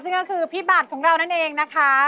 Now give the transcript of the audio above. ซึ่งก็คือพี่บัตรของเรานั่นเองนะคะ